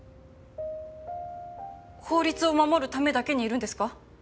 法律を守るためだけにいるんですか？